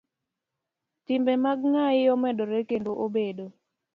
Timbe mag ng'ai omedore kendo obedo